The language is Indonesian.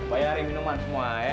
bayarin minuman semua ya